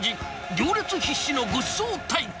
行列必至のごちそう対決。